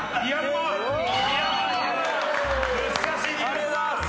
ありがとうございます！